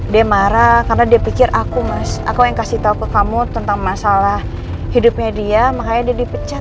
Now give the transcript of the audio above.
dia marah karena dia pikir aku mas aku yang kasih tahu ke kamu tentang masalah hidupnya dia makanya dia dipecat